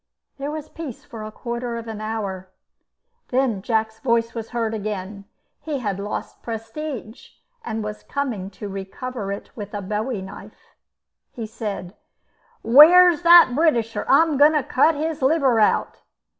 There was peace for a quarter of an hour. Then Jack's voice was heard again. He had lost prestige, and was coming to recover it with a bowie knife. He said: "Where's that Britisher? I am going to cut his liver out."